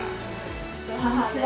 こんにちは。